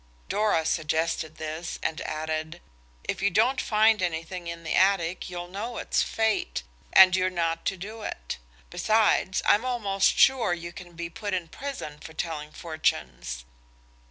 Dora suggested this and added– "If you don't find anything in the attic you'll know it's Fate, and you're not to do it. Besides, I'm almost sure you can be put in prison for telling fortunes."